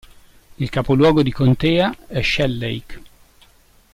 Il capoluogo di contea è Shell Lake.